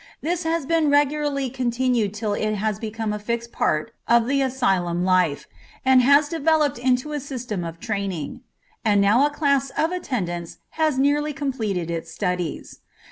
This has been regularly continued till it has become a fixed part of the asylum life, and has developed into a system of training, and now a class of attendants has nearly completed its studies.